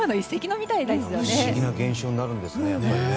不思議な現象になるんですね。